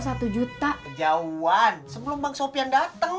satu juta jauhan sebelum bang sopian datang juga lupa bang